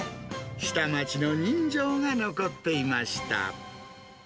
下町の人情が残っていました。